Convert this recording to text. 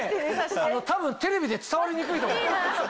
多分テレビじゃ伝わりにくいと思う。